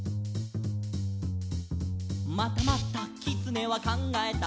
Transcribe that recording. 「またまたきつねはかんがえた」